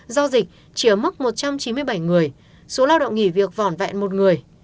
do dịch chỉ ở mức một trăm chín mươi bảy người số lao động nghỉ việc vỏn vẹn một người